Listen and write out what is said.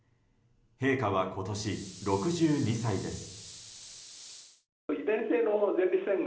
陛下は今年６２歳です。